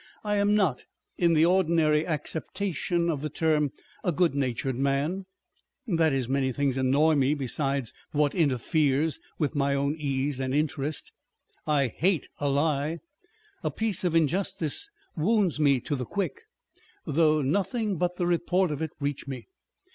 I am not, in the ordinary acceptation of the term, a good natured man ; that is, many things annoy me besides what interferes with my own ease and interest. I hate a lie ; a piece of injustice wounds me to the quick, though nothing but the report of it reach me.